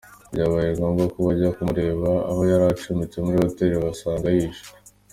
Byabaye ngombwa ko bajya kumureba aho yari acumbitse muri hoteli, basanga yishwe.